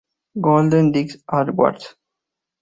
Golden Disk Awards